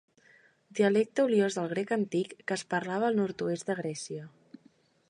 Dialecte oliós del grec antic que es parlava al nord-oest de Grècia.